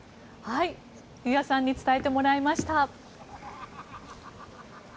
湯屋さんに伝えてもらいました。